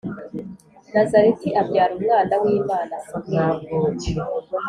nazareti abyara umwana w’imana. samweri